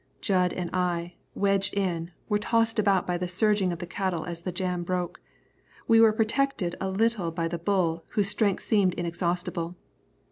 Jud and I, wedged in, were tossed about by the surging of the cattle, as the jam broke. We were protected a little by the bull, whose strength seemed inexhaustible.